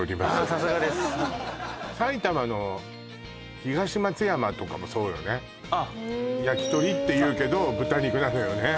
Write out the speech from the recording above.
さすがです埼玉の東松山とかもそうよねやきとりっていうけど豚肉なのよね